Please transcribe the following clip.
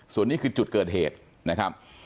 ส่วนนี้คือจุดเกิดเหตุนะครับ